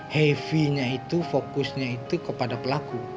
heavy nya itu fokusnya itu kepada pelaku